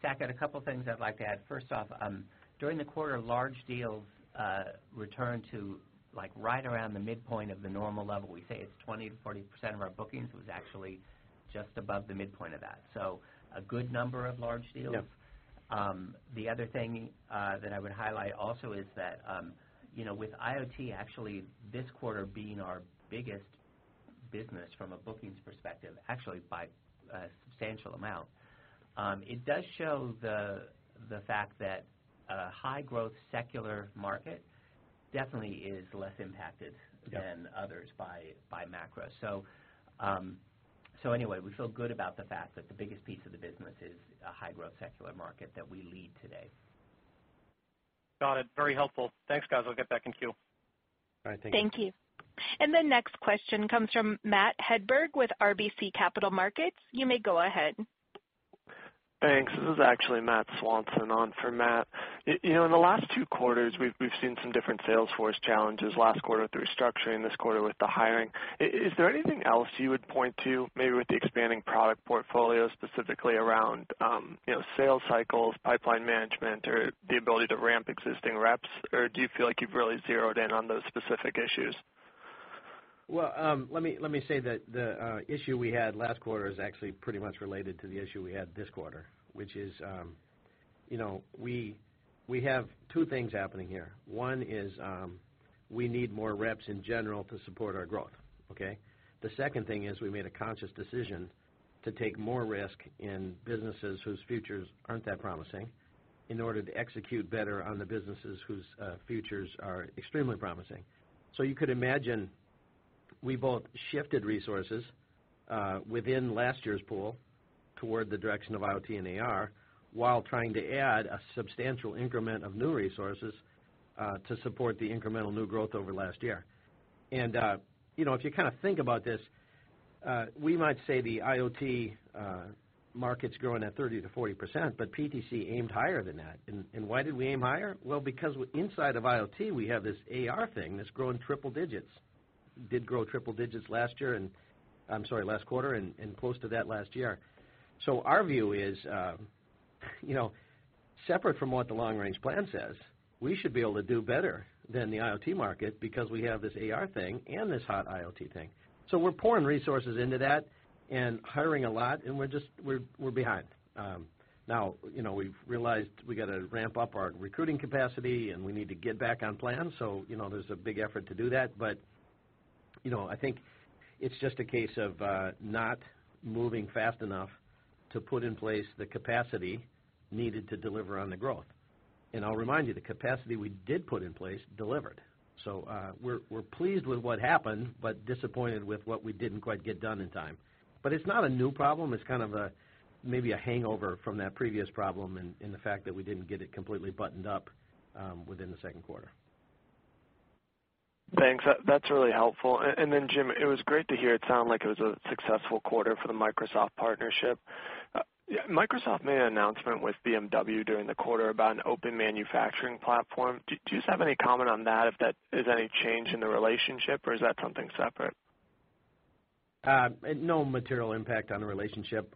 Saket, a couple of things I'd like to add. First off, during the quarter, large deals returned to right around the midpoint of the normal level. We say it's 20%-40% of our bookings. It was actually just above the midpoint of that. A good number of large deals. Yep. The other thing that I would highlight also is that with IoT actually this quarter being our biggest business from a bookings perspective, actually by a substantial amount, it does show the fact that a high-growth secular market definitely is less impacted than others by macro. Anyway, we feel good about the fact that the biggest piece of the business is a high-growth secular market that we lead today. Got it. Very helpful. Thanks, guys. I'll get back in queue. All right, thank you. Thank you. The next question comes from Matthew Hedberg with RBC Capital Markets. You may go ahead. Thanks. This is actually Matthew Swanson on for Matt. In the last two quarters, we've seen some different sales force challenges. Last quarter with the restructuring, this quarter with the hiring. Is there anything else you would point to, maybe with the expanding product portfolio, specifically around sales cycles, pipeline management, or the ability to ramp existing reps? Do you feel like you've really zeroed in on those specific issues? Well, let me say that the issue we had last quarter is actually pretty much related to the issue we had this quarter, which is we have two things happening here. One is, we need more reps in general to support our growth, okay? The second thing is we made a conscious decision to take more risk in businesses whose futures aren't that promising in order to execute better on the businesses whose futures are extremely promising. You could imagine we both shifted resources within last year's pool toward the direction of IoT and AR, while trying to add a substantial increment of new resources to support the incremental new growth over last year. We might say the IoT market's growing at 30%-40%, PTC aimed higher than that. Why did we aim higher? Because inside of IoT, we have this AR thing that's growing triple digits. Did grow triple digits last quarter and close to that last year. Our view is, separate from what the long-range plan says, we should be able to do better than the IoT market because we have this AR thing and this hot IoT thing. We're pouring resources into that and hiring a lot, and we're behind. We've realized we got to ramp up our recruiting capacity, and we need to get back on plan. There's a big effort to do that. I think it's just a case of not moving fast enough to put in place the capacity needed to deliver on the growth. I'll remind you, the capacity we did put in place delivered. We're pleased with what happened, disappointed with what we didn't quite get done in time. It's not a new problem. It's kind of maybe a hangover from that previous problem and the fact that we didn't get it completely buttoned up within the second quarter. Thanks. That's really helpful. Jim, it was great to hear it sound like it was a successful quarter for the Microsoft partnership. Microsoft made an announcement with BMW during the quarter about an open manufacturing platform. Do you just have any comment on that, if that is any change in the relationship, or is that something separate? No material impact on the relationship.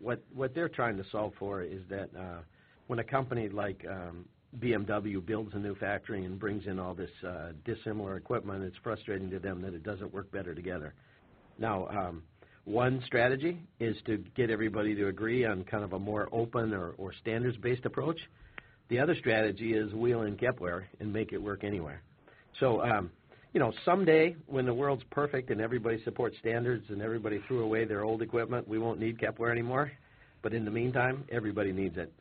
What they're trying to solve for is that when a company like BMW builds a new factory and brings in all this dissimilar equipment, it's frustrating to them that it doesn't work better together. One strategy is to get everybody to agree on kind of a more open or standards-based approach. The other strategy is wheel in Kepware and make it work anyway. Someday when the world's perfect and everybody supports standards and everybody threw away their old equipment, we won't need Kepware anymore. In the meantime, everybody needs it.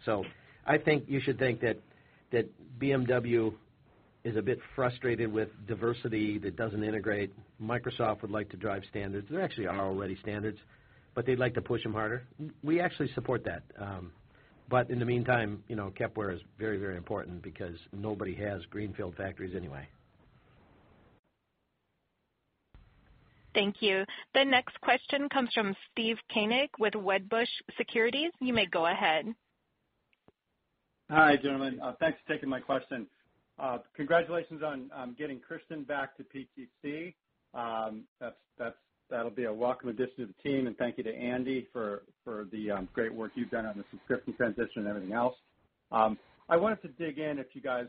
I think you should think that BMW is a bit frustrated with diversity that doesn't integrate. Microsoft would like to drive standards. There actually are already standards, but they'd like to push them harder. We actually support that. In the meantime, Kepware is very important because nobody has greenfield factories anyway. Thank you. The next question comes from Steve Koenig with Wedbush Securities. You may go ahead. Hi, gentlemen. Thanks for taking my question. Congratulations on getting Kristian back to PTC. That'll be a welcome addition to the team, and thank you to Andy for the great work you've done on the subscription transition and everything else. I wanted to dig in, if you guys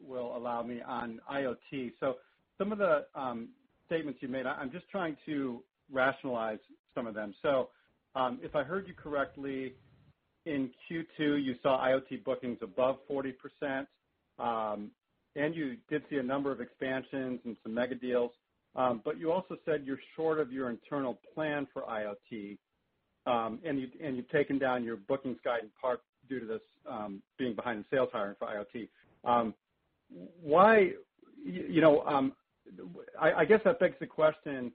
will allow me, on IoT. Some of the statements you made, I'm just trying to rationalize some of them. If I heard you correctly, in Q2, you saw IoT bookings above 40%, and you did see a number of expansions and some mega deals. You also said you're short of your internal plan for IoT, and you've taken down your bookings guide in part due to this being behind in sales hiring for IoT. I guess that begs the question,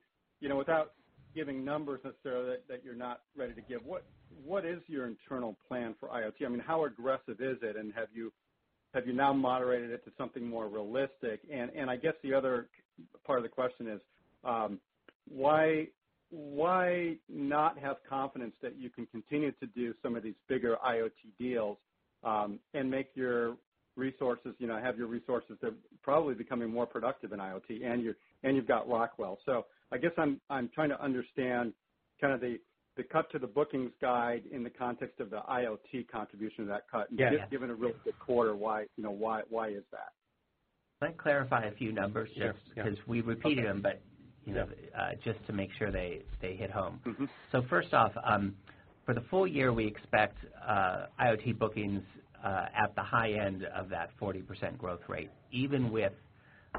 without giving numbers necessarily that you're not ready to give, what is your internal plan for IoT? I mean, how aggressive is it, and have you now moderated it to something more realistic? I guess the other part of the question is why not have confidence that you can continue to do some of these bigger IoT deals, and have your resources that are probably becoming more productive in IoT, and you've got Rockwell. I guess I'm trying to understand kind of the cut to the bookings guide in the context of the IoT contribution to that cut. Yeah Just given a really good quarter, why is that? Can I clarify a few numbers, Steve? Sure. Yeah. We repeated them, just to make sure they hit home. First off, for the full year, we expect IoT bookings at the high end of that 40% growth rate, even with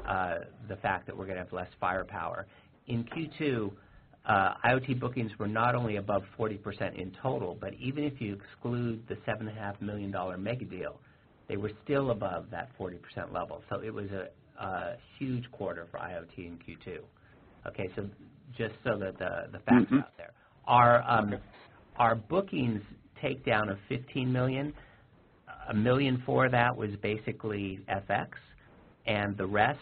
the fact that we're going to have less firepower. In Q2, IoT bookings were not only above 40% in total, even if you exclude the $7.5 million mega deal, they were still above that 40% level. It was a huge quarter for IoT in Q2. Just so that the facts are out there. Okay. Our bookings take down of $15 million, $1 million for that was basically FX, and the rest,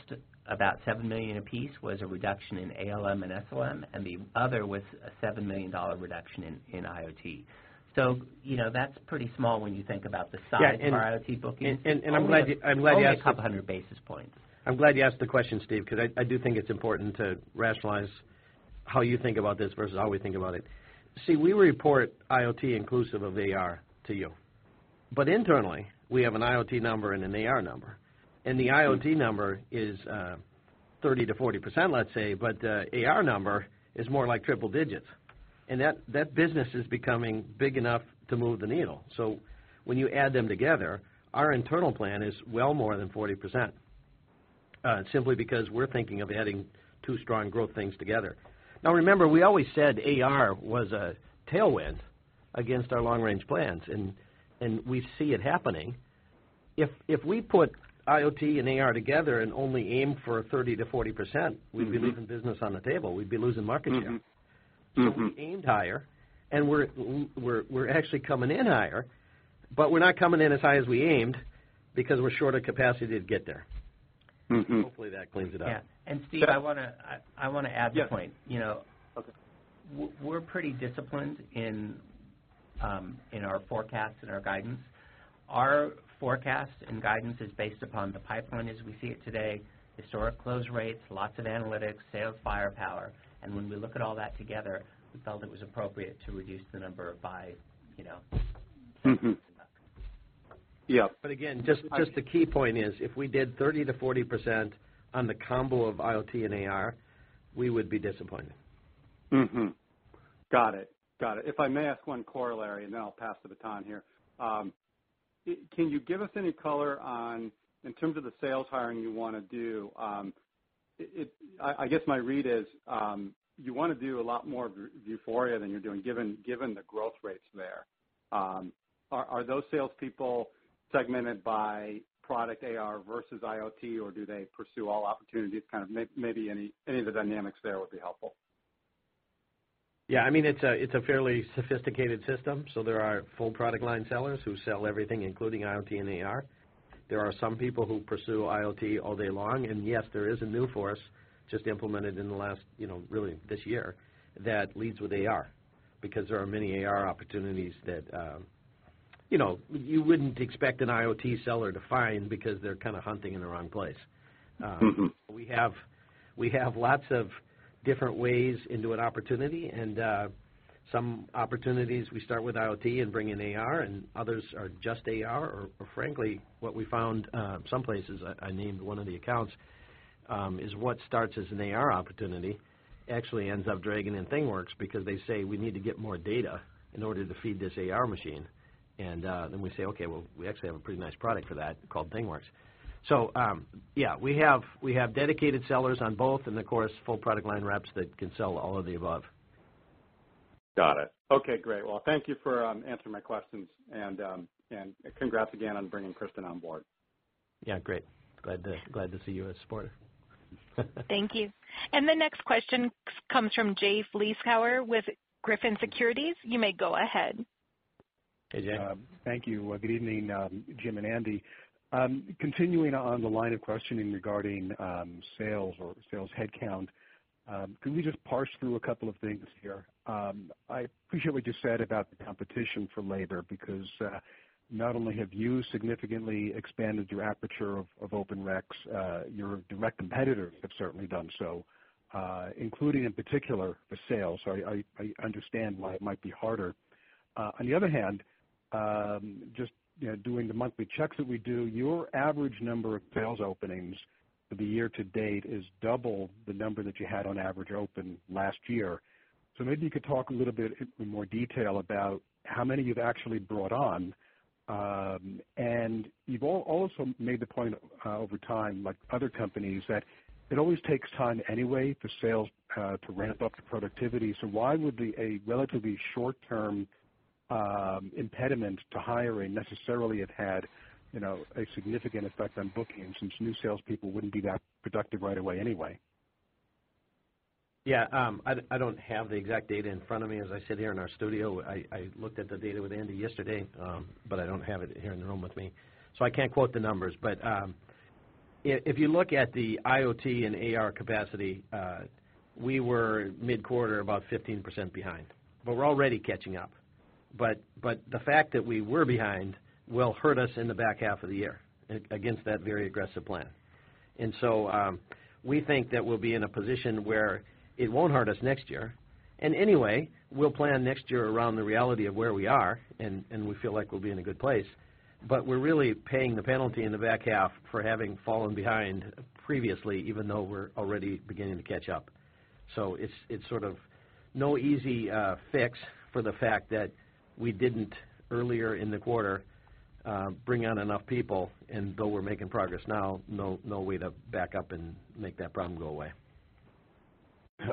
about $7 million a piece, was a reduction in ALM and SLM, and the other was a $7 million reduction in IoT. That's pretty small when you think about the size of our IoT bookings. I'm glad you Only a couple of 100 basis points. I'm glad you asked the question, Steve, because I do think it's important to rationalize how you think about this versus how we think about it. We report IoT inclusive of AR to you. Internally, we have an IoT number and an AR number. The IoT number is 30%-40%, let's say, but the AR number is more like triple digits. That business is becoming big enough to move the needle. When you add them together, our internal plan is well more than 40%, simply because we're thinking of adding two strong growth things together. Remember, we always said AR was a tailwind against our long-range plans, and we see it happening. If we put IoT and AR together and only aim for 30%-40%, we'd be leaving business on the table. We'd be losing market share. We aimed higher, and we're actually coming in higher, but we're not coming in as high as we aimed because we're short of capacity to get there. Hopefully that cleans it up. Yeah. Steve, I want to add the point. Yes. Okay. We're pretty disciplined in our forecast and our guidance. Our forecast and guidance is based upon the pipeline as we see it today, historic close rates, lots of analytics, sales firepower. When we look at all that together, we felt it was appropriate to reduce the number by Yeah. Again, just the key point is if we did 30%-40% on the combo of IoT and AR, we would be disappointed. Got it. If I may ask one corollary, and then I'll pass the baton here. Can you give us any color on, in terms of the sales hiring you want to do, I guess my read is, you want to do a lot more Vuforia than you're doing, given the growth rates there. Are those salespeople segmented by product AR versus IoT, or do they pursue all opportunities? Kind of maybe any of the dynamics there would be helpful. Yeah. It's a fairly sophisticated system. There are full product line sellers who sell everything, including IoT and AR. There are some people who pursue IoT all day long, and yes, there is a new force just implemented in the last, really this year, that leads with AR. There are many AR opportunities that you wouldn't expect an IoT seller to find because they're kind of hunting in the wrong place. We have lots of different ways into an opportunity, and some opportunities we start with IoT and bring in AR, and others are just AR, or frankly, what we found, some places, I named one of the accounts, is what starts as an AR opportunity actually ends up dragging in ThingWorx because they say we need to get more data in order to feed this AR machine. We say, "Okay, well, we actually have a pretty nice product for that called ThingWorx." Yeah, we have dedicated sellers on both and of course, full product line reps that can sell all of the above. Got it. Okay, great. Well, thank you for answering my questions and congrats again on bringing Kristian on board. Yeah, great. Glad to see you as a supporter. Thank you. The next question comes from Jay Vleeschhouwer with Griffin Securities. You may go ahead. Hey, Jay. Thank you. Good evening, Jim and Andy. Continuing on the line of questioning regarding sales or sales headcount, can we just parse through a couple of things here? I appreciate what you said about the competition for labor, not only have you significantly expanded your aperture of open recs, your direct competitors have certainly done so, including, in particular, for sales. I understand why it might be harder. On the other hand, just doing the monthly checks that we do, your average number of sales openings for the year to date is double the number that you had on average open last year. Maybe you could talk a little bit in more detail about how many you've actually brought on. You've also made the point over time, like other companies, that it always takes time anyway for sales to ramp up to productivity. Why would the relatively short-term impediment to hiring necessarily have had a significant effect on bookings since new salespeople wouldn't be that productive right away anyway? Yeah. I don't have the exact data in front of me as I sit here in our studio. I looked at the data with Andy yesterday, I don't have it here in the room with me, I can't quote the numbers. If you look at the IoT and AR capacity, we were mid-quarter about 15% behind. We're already catching up. The fact that we were behind will hurt us in the back half of the year against that very aggressive plan. We think that we'll be in a position where it won't hurt us next year. Anyway, we'll plan next year around the reality of where we are, and we feel like we'll be in a good place. We're really paying the penalty in the back half for having fallen behind previously, even though we're already beginning to catch up. It's sort of no easy fix for the fact that we didn't, earlier in the quarter, bring on enough people. Though we're making progress now, no way to back up and make that problem go away.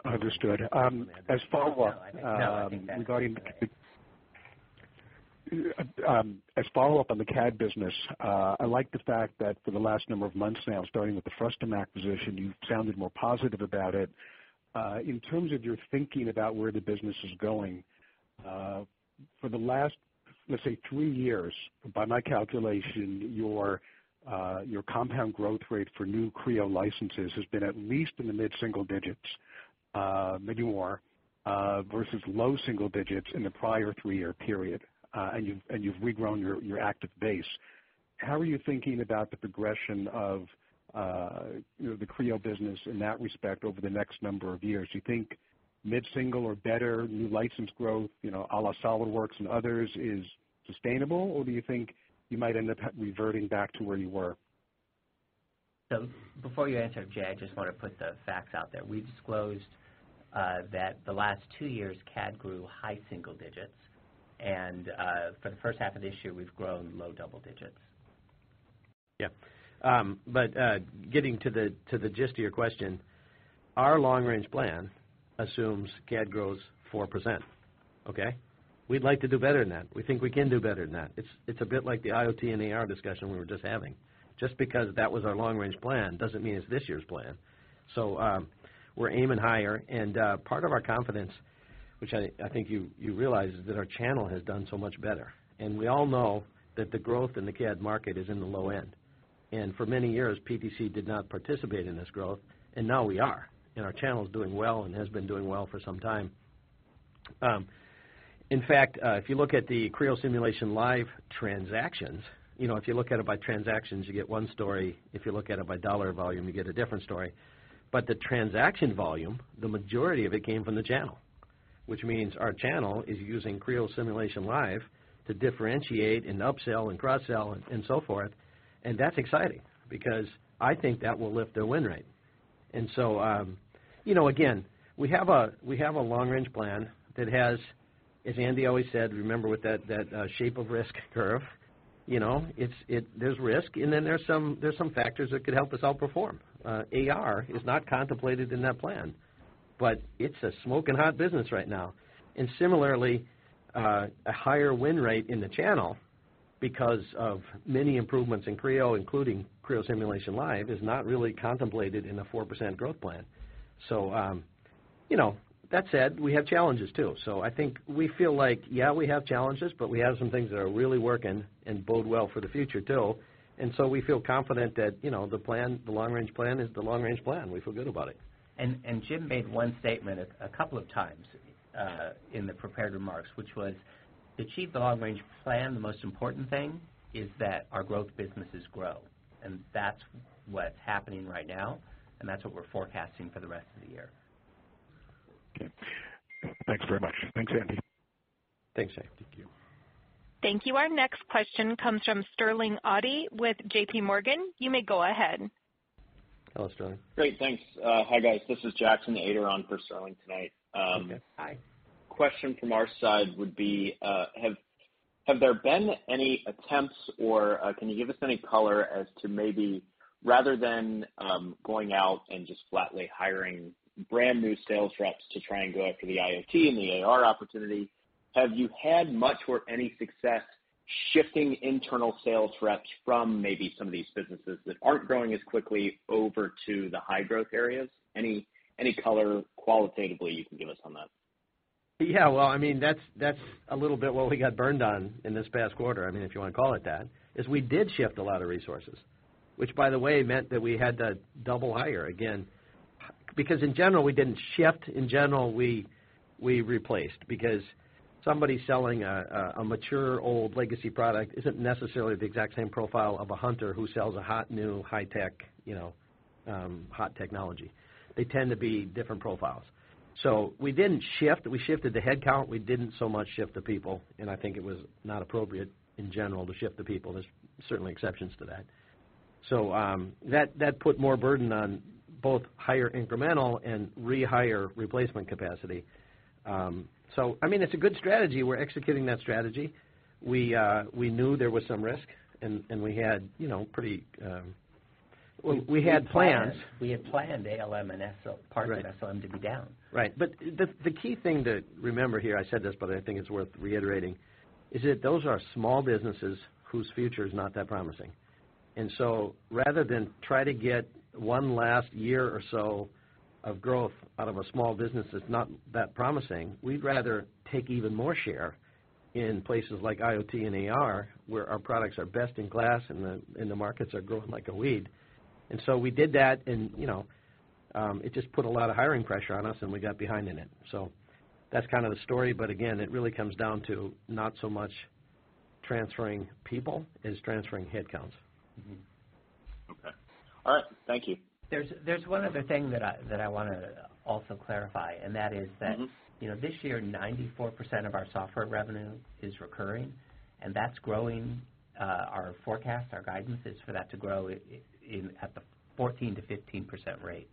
Understood. As follow-up on the CAD business, I like the fact that for the last number of months now, starting with the Frustum acquisition, you've sounded more positive about it. In terms of your thinking about where the business is going, for the last, let's say, three years, by my calculation, your compound growth rate for new Creo licenses has been at least in the mid-single digits, maybe more, versus low single digits in the prior three-year period. You've regrown your active base. How are you thinking about the progression of the Creo business in that respect over the next number of years? Do you think mid-single or better new license growth, a la SolidWorks and others is sustainable, or do you think you might end up reverting back to where you were? Before you answer, Jay, I just want to put the facts out there. We've disclosed that the last two years CAD grew high single digits, and for the first half of this year, we've grown low double digits. Yeah. Getting to the gist of your question, our long-range plan assumes CAD grows 4%. Okay? We'd like to do better than that. We think we can do better than that. It's a bit like the IoT and AR discussion we were just having. Just because that was our long-range plan doesn't mean it's this year's plan. We're aiming higher, and part of our confidence, which I think you realize, is that our channel has done so much better. We all know that the growth in the CAD market is in the low end. For many years, PTC did not participate in this growth, and now we are, and our channel's doing well and has been doing well for some time. In fact, if you look at the Creo Simulation Live transactions, if you look at it by transactions, you get one story. If you look at it by dollar volume, you get a different story. The transaction volume, the majority of it came from the channel, which means our channel is using Creo Simulation Live to differentiate and upsell and cross-sell and so forth, and that's exciting because I think that will lift their win rate. Again, we have a long-range plan that has, as Andy always said, remember with that shape of risk curve, there's risk, and then there's some factors that could help us outperform. AR is not contemplated in that plan, but it's a smoking hot business right now. Similarly, a higher win rate in the channel because of many improvements in Creo, including Creo Simulation Live, is not really contemplated in a 4% growth plan. That said, we have challenges too. I think we feel like, yeah, we have challenges, but we have some things that are really working and bode well for the future too. We feel confident that the long-range plan is the long-range plan. We feel good about it. Jim made one statement a couple of times, in the prepared remarks, which was, "To achieve the long-range plan, the most important thing is that our growth businesses grow." That's what's happening right now, and that's what we're forecasting for the rest of the year. Okay. Thanks very much. Thanks, Andy. Thanks, Jay. Thank you. Thank you. Our next question comes from Sterling Auty with JPMorgan. You may go ahead. Hello, Sterling. Great. Thanks. Hi, guys. This is Jackson Ader on for Sterling tonight. Okay. Hi. Question from our side would be, have there been any attempts or, can you give us any color as to maybe rather than going out and just flatly hiring brand new sales reps to try and go after the IoT and the AR opportunity, have you had much or any success shifting internal sales reps from maybe some of these businesses that aren't growing as quickly over to the high growth areas? Any color qualitatively you can give us on that? Yeah. Well, that's a little bit what we got burned on in this past quarter, if you want to call it that, is we did shift a lot of resources, which by the way meant that we had to double hire again. Somebody selling a mature, old legacy product isn't necessarily the exact same profile of a hunter who sells a hot, new, high-tech, hot technology. They tend to be different profiles. We didn't shift. We shifted the headcount, we didn't so much shift the people, and I think it was not appropriate in general to shift the people. There's certainly exceptions to that. That put more burden on both hire incremental and rehire replacement capacity. It's a good strategy. We're executing that strategy. We knew there was some risk. We had plans. We had planned ALM and parts of SLM to be down. The key thing to remember here, I said this, but I think it's worth reiterating, is that those are small businesses whose future is not that promising. Rather than try to get one last year or so of growth out of a small business that's not that promising, we'd rather take even more share in places like IoT and AR, where our products are best in class and the markets are growing like a weed. We did that and it just put a lot of hiring pressure on us, and we got behind in it. That's kind of the story. Again, it really comes down to not so much transferring people as transferring headcounts. Okay. All right. Thank you. There's one other thing that I want to also clarify, and that is that this year, 94% of our software revenue is recurring, and that's growing. Our forecast, our guidance is for that to grow at the 14%-15% rate.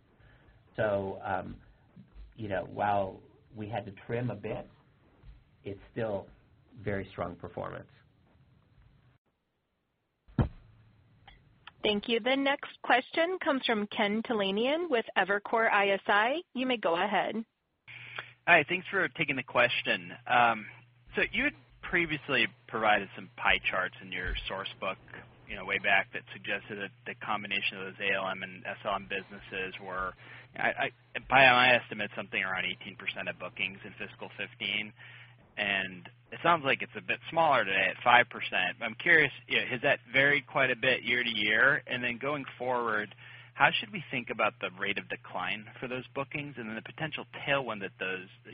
While we had to trim a bit, it's still very strong performance. Thank you. The next question comes from Ken Talanian with Evercore ISI. You may go ahead. Hi. Thanks for taking the question. You had previously provided some pie charts in your source book way back that suggested that the combination of those ALM and SLM businesses were, by my estimate, something around 18% of bookings in fiscal 2015, and it sounds like it's a bit smaller today at 5%. I'm curious, has that varied quite a bit year-to-year? Going forward, how should we think about the rate of decline for those bookings and then the potential tailwind that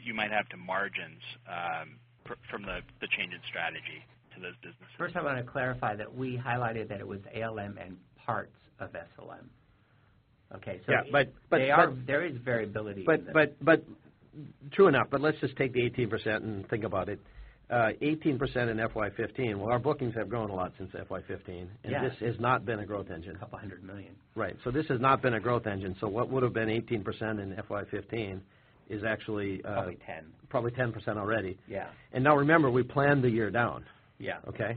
you might have to margins, from the change in strategy to those businesses? First, I want to clarify that we highlighted that it was ALM and parts of SLM. Okay? Yeah. There is variability in that. True enough, but let's just take the 18% and think about it. 18% in FY 2015. Our bookings have grown a lot since FY 2015. Yes. This has not been a growth engine. A couple of hundred million USD. Right. This has not been a growth engine. What would've been 18% in FY 2015 is actually- Probably 10%. Probably 10% already. Yeah. Remember, we planned the year down. Yeah. Okay?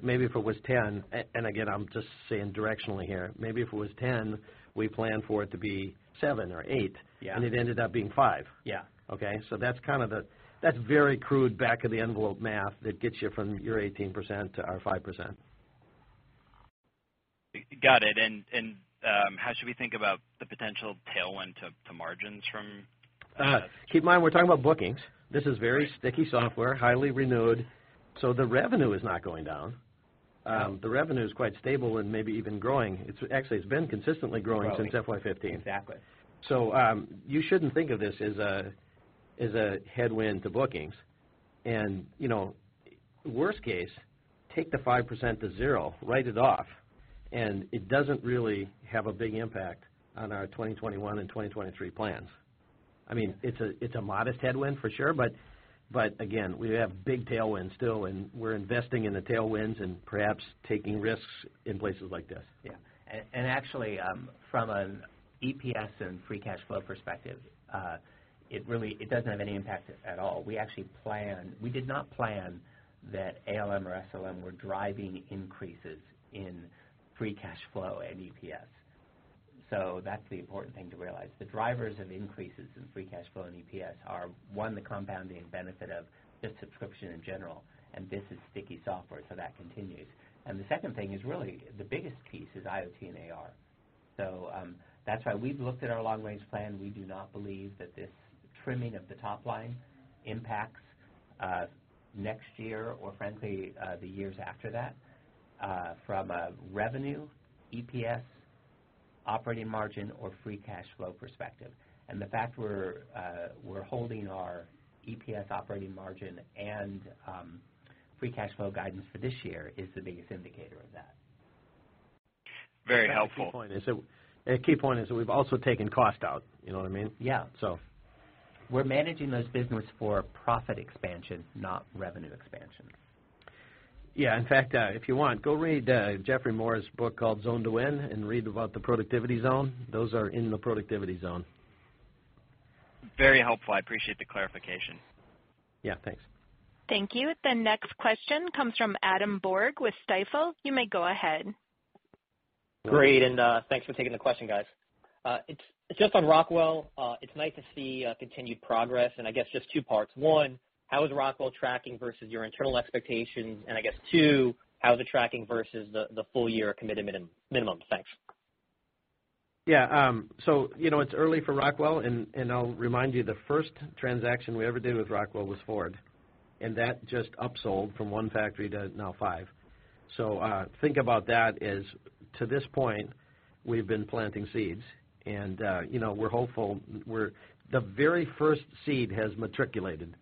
Maybe if it was 10, and again, I'm just saying directionally here, maybe if it was 10, we planned for it to be seven or eight. Yeah. It ended up being five. Yeah. Okay. That's very crude back of the envelope math that gets you from your 18% to our 5%. Got it. How should we think about the potential tailwind to margins from Keep in mind, we're talking about bookings. This is very sticky software, highly renewed, so the revenue is not going down. The revenue is quite stable and maybe even growing. Actually, it's been consistently growing since FY 2015. Exactly. You shouldn't think of this as a headwind to bookings. Worst case, take the 5% to 0, write it off, and it doesn't really have a big impact on our 2021 and 2023 plans. It's a modest headwind for sure, but again, we have big tailwinds still, and we're investing in the tailwinds and perhaps taking risks in places like this. Yeah. Actually, from an EPS and free cash flow perspective, it doesn't have any impact at all. We did not plan that ALM or SLM were driving increases in free cash flow and EPS. That's the important thing to realize. The drivers of increases in free cash flow and EPS are, one, the compounding benefit of just subscription in general, and this is sticky software, so that continues. The second thing is really the biggest piece is IoT and AR. That's why we've looked at our long-range plan. We do not believe that this trimming of the top line impacts next year or frankly, the years after that, from a revenue, EPS, operating margin, or free cash flow perspective. The fact we're holding our EPS operating margin and free cash flow guidance for this year is the biggest indicator of that. Very helpful. A key point is we've also taken cost out. You know what I mean? Yeah. So. We're managing those business for profit expansion, not revenue expansion. Yeah. In fact, if you want, go read Geoffrey Moore's book called "Zone to Win" and read about the productivity zone. Those are in the productivity zone. Very helpful. I appreciate the clarification. Yeah, thanks. Thank you. The next question comes from Adam Borg with Stifel. You may go ahead. Great, thanks for taking the question, guys. It's just on Rockwell. It's nice to see continued progress. I guess just two parts. One, how is Rockwell tracking versus your internal expectations? I guess two, how is it tracking versus the full year commitment minimum? Thanks. Yeah. It's early for Rockwell. I'll remind you, the first transaction we ever did with Rockwell was Ford. That just upsold from one factory to now five. Think about that as, to this point, we've been planting seeds. We're hopeful. The very first seed has matriculated.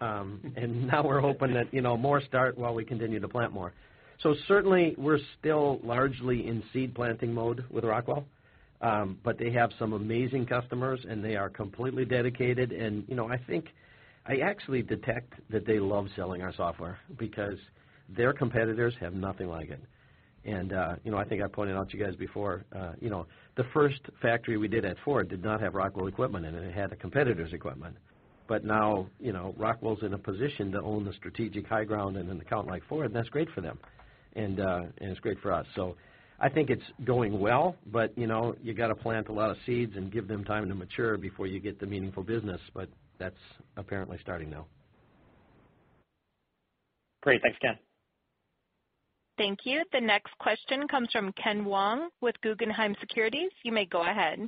Now we're hoping that more start while we continue to plant more. Certainly, we're still largely in seed planting mode with Rockwell. They have some amazing customers. They are completely dedicated. I think I actually detect that they love selling our software because their competitors have nothing like it. I think I pointed out to you guys before, the first factory we did at Ford did not have Rockwell equipment in it. It had a competitor's equipment. Now, Rockwell's in a position to own the strategic high ground and an account like Ford. That's great for them. It's great for us. I think it's going well. You've got to plant a lot of seeds and give them time to mature before you get the meaningful business. That's apparently starting now. Great. Thanks, Ken. Thank you. The next question comes from Ken Wong with Guggenheim Securities. You may go ahead.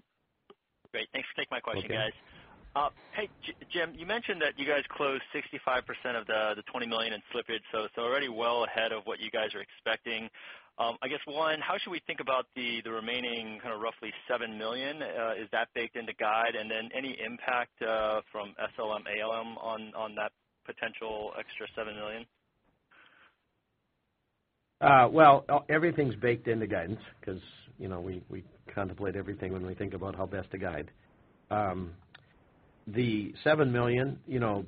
Great. Thanks for taking my question, guys. Okay. Hey, Jim, you mentioned that you guys closed 65% of the $20 million in slippage. It's already well ahead of what you guys are expecting. I guess one, how should we think about the remaining kind of roughly $7 million? Is that baked into guide? Any impact from SLM, ALM on that potential extra $7 million? Well, everything's baked into guidance because we contemplate everything when we think about how best to guide. The $7 million,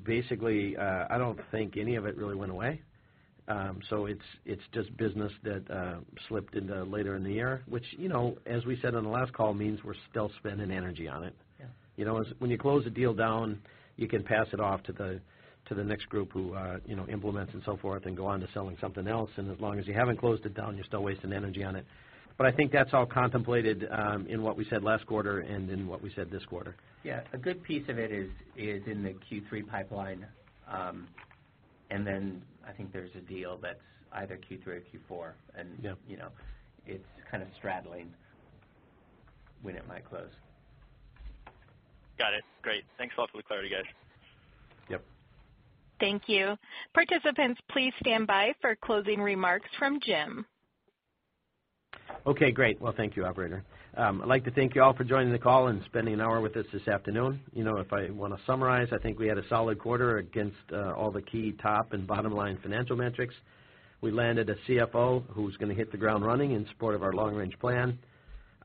basically, I don't think any of it really went away. It's just business that slipped into later in the year, which as we said on the last call, means we're still spending energy on it. Yeah. When you close a deal down, you can pass it off to the next group who implements and so forth and go on to selling something else. As long as you haven't closed it down, you're still wasting energy on it. I think that's all contemplated in what we said last quarter and in what we said this quarter. Yeah. A good piece of it is in the Q3 pipeline. Then I think there's a deal that's either Q3 or Q4. Yeah It's kind of straddling when it might close. Got it. Great. Thanks a lot for the clarity, guys. Yep. Thank you. Participants, please stand by for closing remarks from Jim. Okay, great. Well, thank you, operator. I'd like to thank you all for joining the call and spending an hour with us this afternoon. If I want to summarize, I think we had a solid quarter against all the key top and bottom-line financial metrics. We landed a CFO who's going to hit the ground running in support of our long-range plan.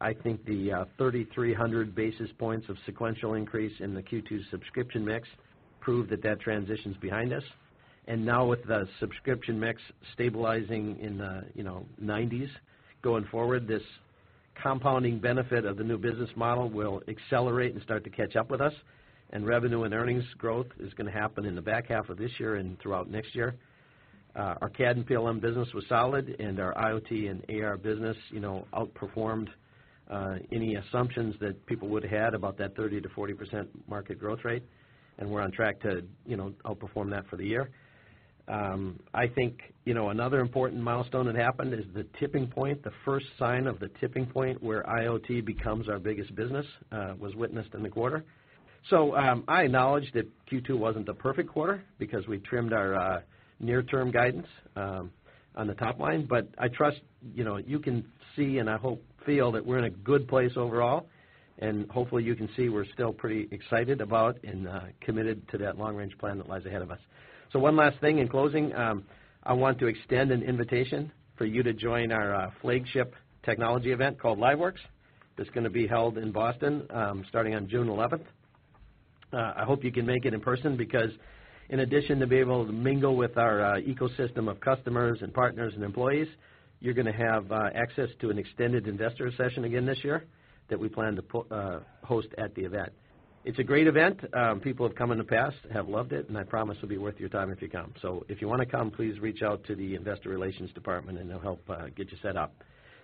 I think the 3,300 basis points of sequential increase in the Q2 subscription mix prove that transition's behind us. Now with the subscription mix stabilizing in the 90s going forward, this compounding benefit of the new business model will accelerate and start to catch up with us, and revenue and earnings growth is going to happen in the back half of this year and throughout next year. Our CAD and PLM business was solid, and our IoT and AR business outperformed any assumptions that people would've had about that 30%-40% market growth rate, and we're on track to outperform that for the year. I think another important milestone that happened is the tipping point. The first sign of the tipping point where IoT becomes our biggest business was witnessed in the quarter. I acknowledge that Q2 wasn't the perfect quarter because we trimmed our near-term guidance on the top line, but I trust you can see and I hope feel that we're in a good place overall, and hopefully you can see we're still pretty excited about and committed to that long-range plan that lies ahead of us. One last thing in closing, I want to extend an invitation for you to join our flagship technology event called LiveWorx. That's going to be held in Boston, starting on June 11th. I hope you can make it in person because in addition to being able to mingle with our ecosystem of customers and partners and employees, you're going to have access to an extended investor session again this year that we plan to host at the event. It's a great event. People who have come in the past have loved it, and I promise it'll be worth your time if you come. If you want to come, please reach out to the investor relations department, and they'll help get you set up.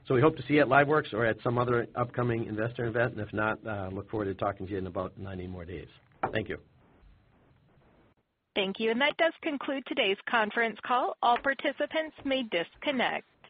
We hope to see you at LiveWorx or at some other upcoming investor event. If not, look forward to talking to you in about 90 more days. Thank you. Thank you. That does conclude today's conference call. All participants may disconnect.